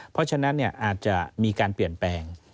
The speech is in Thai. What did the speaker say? เพราะฉะนั้นอาจจะมีการเปลี่ยนแปลง